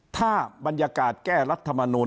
ถ้าบรรยากาศแก้รัฐมนูล